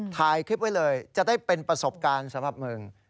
ถ่ายคลิปไว้เลยจะได้เป็นประสบการณ์สำหรับมึง